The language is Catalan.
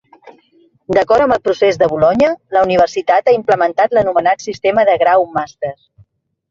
D'acord amb el procés de Bolonya, la universitat ha implementat l'anomenat sistema de grau-màster.